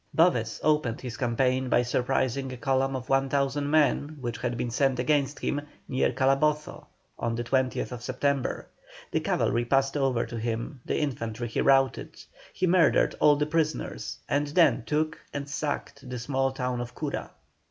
Boves opened his campaign by surprising a column of 1,000 men which had been sent against him, near Calabozo, on the 20th September. The cavalry passed over to him, the infantry he routed. He murdered all his prisoners, and then took and sacked the small town of Cura.